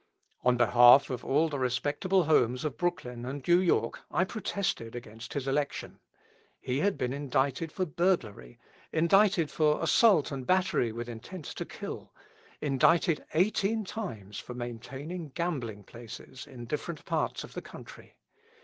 On behalf of all the respectable homes of Brooklyn and New York I protested against his election. He had been indicted for burglary, indicted for assault and battery with intent to kill, indicted eighteen times for maintaining gambling places in different parts of the country.